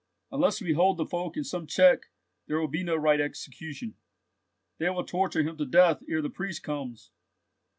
Unless we hold the folk in some check there will be no right execution. They will torture him to death ere the priest comes."